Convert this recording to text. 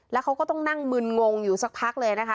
แล้วเขาก็ต้องนั่งมึนงงอยู่สักพักเลยนะคะ